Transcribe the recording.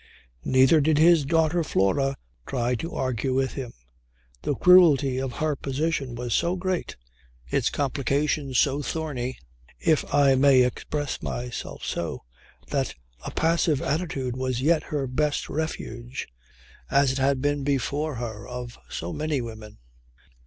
Neither did his daughter Flora try to argue with him. The cruelty of her position was so great, its complications so thorny, if I may express myself so, that a passive attitude was yet her best refuge as it had been before her of so many women.